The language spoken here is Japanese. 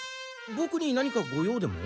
ボクに何かご用でも？